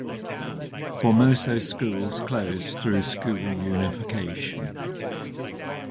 Formoso schools closed through school unification.